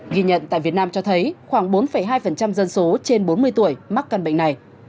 ghi nhận tại việt nam cho thấy khoảng bốn hai dân số trên bốn mươi tuổi mắc cân bệnh này